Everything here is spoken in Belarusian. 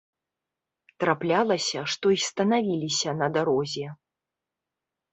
Траплялася, што і станавіліся на дарозе.